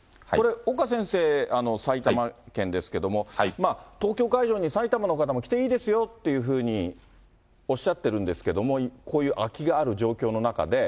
岡先生、埼玉県ですけれども、東京会場に埼玉の方も来ていいですよっていうふうにおっしゃってるんですけれども、こういう空きがある状況の中で。